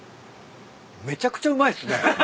めちゃくちゃうまいっすね。